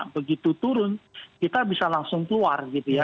begitu turun kita bisa langsung keluar gitu ya